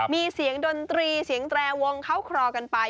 มีเสียงดนตรีเสียงแตรวงเข้าคลอกันไป